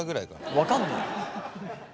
分かんねえ。